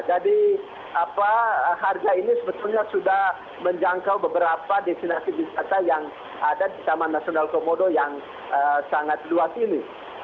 jadi harga ini sebetulnya sudah menjangkau beberapa destinasi biskata yang ada di taman nasional komodo yang sangat luas ini